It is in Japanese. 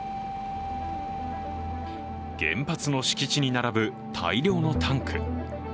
原発の敷地に並ぶ大量のタンク。